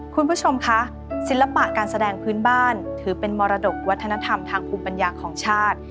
คุณผู้ชมคะศิลปะการแสดงพื้นบ้านถือเป็นมรดกวัฒนธรรมทางภูมิปัญญาของชาติ